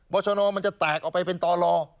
ชนมันจะแตกออกไปเป็นต่อลอ